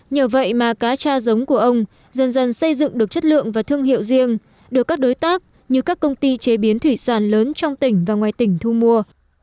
nhờ vậy mà cá cha giống của ông dần dần xây dựng được chất lượng và thương hiệu riêng được các đối tác như các công ty chế biến thủy sản lớn trong tỉnh và ngoài tỉnh thu mua